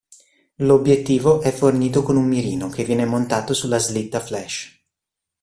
L'obiettivo è fornito con un mirino che viene montato sulla slitta flash.